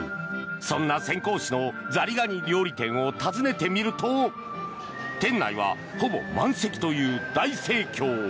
そんな潜江市のザリガニ料理店を訪ねてみると店内はほぼ満席という大盛況。